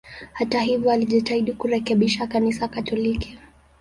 Hata hivyo, alijitahidi kurekebisha Kanisa Katoliki.